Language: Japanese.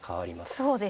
そうですね。